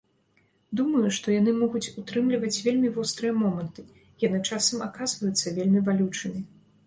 Думаю, што яны могуць утрымліваць вельмі вострыя моманты, яны часам аказваюцца вельмі балючымі.